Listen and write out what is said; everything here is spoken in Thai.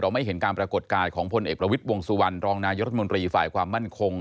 ไม่เห็นการปรากฏกายของพลเอกประวิทย์วงสุวรรณรองนายรัฐมนตรีฝ่ายความมั่นคง